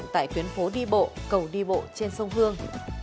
tại tuyến phố đi bộ cầu đi bộ trên sông hương